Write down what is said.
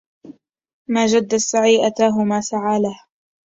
ما جد السعي أتاه ما سعى له